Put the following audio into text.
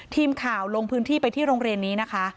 ทีมข่าวลงพื้นที่ไปที่โรงเรียนนี้นะคะ